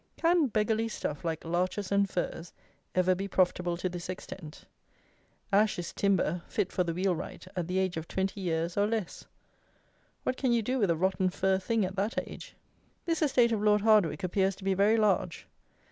Can beggarly stuff, like larches and firs, ever be profitable to this extent? Ash is timber, fit for the wheelwright, at the age of twenty years, or less. What can you do with a rotten fir thing at that age? This estate of Lord Hardwicke appears to be very large.